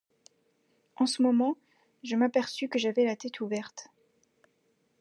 En ce moment, je m’aperçus que j’avais la tête ouverte.